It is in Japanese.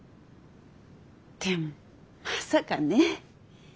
でもまさかね。